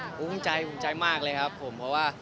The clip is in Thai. คุ้มใจคุ้มใจมากเลยครับดีครับผม